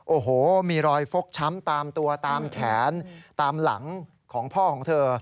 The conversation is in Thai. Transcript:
โอ้โหมีรอยฟกช้ำตามตัวตามแขนตามหลังของพ่อของเธอ